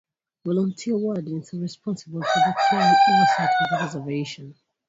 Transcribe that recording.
Volunteer wardens are responsible for the care and oversight of each reservation.